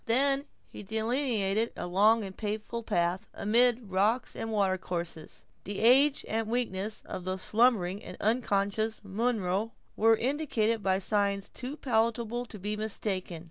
Then he delineated a long and painful path, amid rocks and water courses. The age and weakness of the slumbering and unconscious Munro were indicated by signs too palpable to be mistaken.